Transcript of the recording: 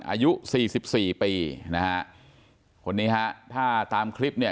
อายุสี่สิบสี่ปีนะฮะคนนี้ฮะถ้าตามคลิปเนี่ย